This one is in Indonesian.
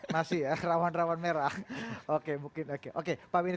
masih ya rawan rawan merah oke mungkin oke oke pak beni